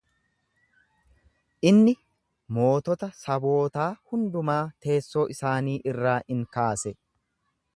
Inni mootota sabootaa hundumaa teessoo isaanii irraa ni kaase.